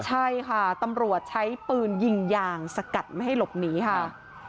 ใช่ค่ะตำรวจใช้ปืนยิงยางสกัดไม่ให้หลบหนีค่ะ